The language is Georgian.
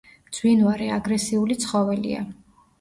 მძვინვარე, აგრესიული ცხოველია.